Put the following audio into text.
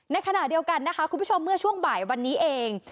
ในขณะเดียวกันนะคะคุณผู้ชมเมื่อช่วงบ่ายวันนี้เอง